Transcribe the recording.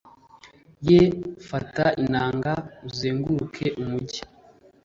ye fata inanga uzenguruke umugi